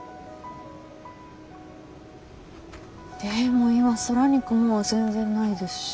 でも今空に雲は全然ないですし。